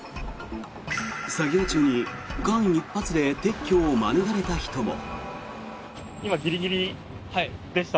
作業中に間一髪で撤去を免れた人も。